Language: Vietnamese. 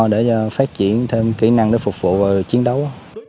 để phát triển thêm kỹ năng để phục vụ và chiến đấu